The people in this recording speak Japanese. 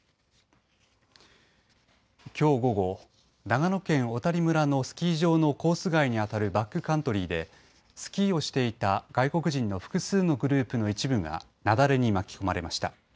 きょう午後、長野県小谷村のスキー場のコース外にあるバックカントリーでスキーをしていた外国人の複数のグループの一部が雪崩に巻き込まれました。